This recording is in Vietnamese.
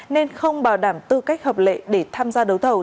nên không bảo đảm tư cách hợp lệ để tham gia đấu thầu